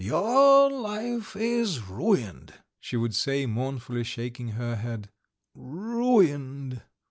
"Your life is ruined," she would say, mournfully shaking her head, "ruined."